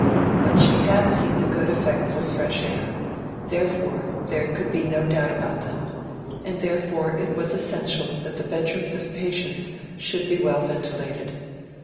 But she had seen the good effects of fresh air; therefore, there could be no doubt about them; and therefore, it was essential that the bedrooms of patients should be well ventilated.